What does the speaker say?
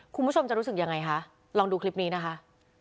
คุณผู้ชมจะรู้สึกยังไงคะลองดูคลิปนี้นะคะ